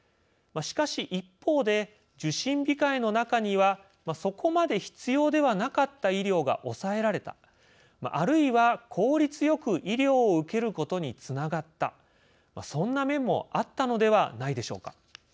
しかし一方で受診控えの中にはそこまで必要ではなかった医療が抑えられたあるいは効率よく医療を受けることにつながったそんな面もあったのではないでしょうか。